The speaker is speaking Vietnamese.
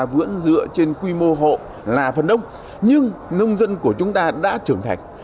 vưỡng dựa trên quy mô hộ là phần nông nhưng nông dân của chúng ta đã trưởng thành